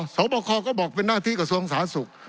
สวบคอก็บอกเป็นหน้าที่กระทรวงศาสุก